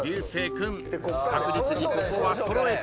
君確実にここは揃えて。